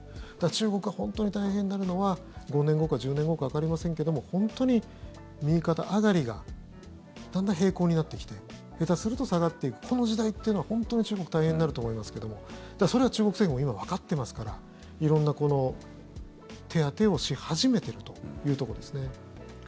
中国が本当に大変になるのは５年後か１０年後かわかりませんけども本当に右肩上がりがだんだん平行になってきて下手すると下がっていくこの時代っていうのは本当に中国大変になると思いますけどそれは中国政府も今わかってますから色んな手当てをし始めているというところですね。